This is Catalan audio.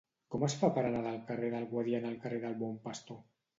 Com es fa per anar del carrer del Guadiana al carrer del Bon Pastor?